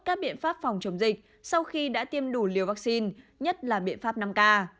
các biện pháp phòng chống dịch sau khi đã tiêm đủ liều vaccine nhất là biện pháp năm k